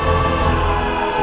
kalian dapat apa